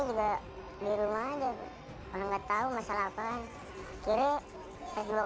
saya diem aja di gedung kan disitu banyak